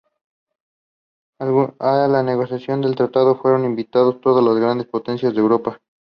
A la negociación del tratado fueron invitadas todas las Grandes Potencias de Europa.